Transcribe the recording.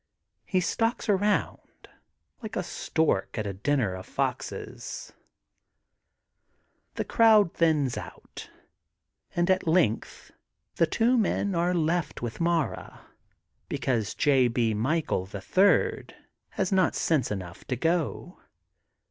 He stalks around, like a stork at a dinner of foxes. The crowd thins out, and at length the two men are left with Mara, because J. B. Michael, the Third, has not sense enough to go.